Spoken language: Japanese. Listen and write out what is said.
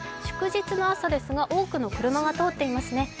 祝日の朝ですが、多くの車が通っていますね。